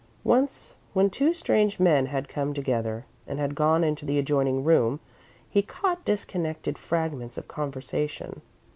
Once, when two strange men had come together, and had gone into the adjoining room, he caught disconnected fragments of conversation.